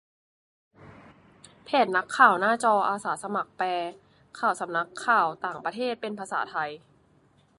เพจ นักข่าวหน้าจอ อาสาสมัครแปลข่าวสำนักข่าวต่างประเทศเป็นภาษาไทย